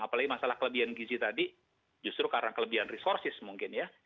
apalagi masalah kelebihan gizi tadi justru karena kelebihan resources mungkin ya